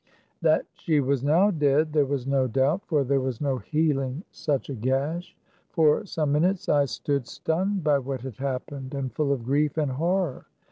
That she was now dead there was no doubt; for there was no healing such a gash. For some minutes I stood, stunned by what had happened, and full of grief and horror.